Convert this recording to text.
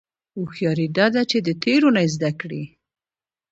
هوښیاري دا ده چې د تېرو نه زده کړې.